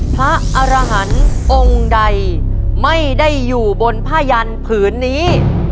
พระอรหันต์องค์ใดไม่ได้อยู่บนผ้ายันผืนนี้